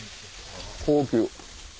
高級。